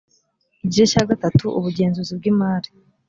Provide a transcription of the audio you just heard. igice cya gatatu ubugenzuzi bw imari